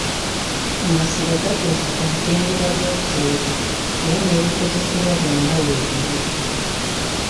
Amasiro gatuuse ku mutendera gw'okusereka era n'ebikozesebwa byonna weebiri.